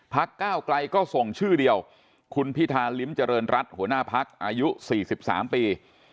พรรคก้าวกลายก็ส่งชื่อเดียวคุณพิธาริมเจริญรัฐหัวหน้าพรรคอายุสี่สิบสามปี